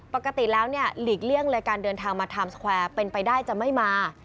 ปกติแล้วเนี่ยหลีกเลี่ยงเลยการเดินทางมาไทม์สแควร์เป็นไปได้จะไม่มา